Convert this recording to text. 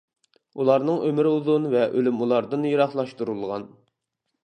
ئۇلارنىڭ ئۆمرى ئۇزۇن ۋە ئۆلۈم ئۇلاردىن يىراقلاشتۇرۇلغان.